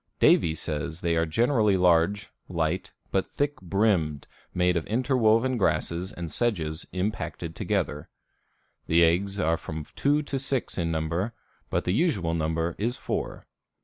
Davie says they are generally large, light, but thick brimmed, made of interwoven grasses and sedges impacted together. The eggs are from two to six in number, but the usual number is four.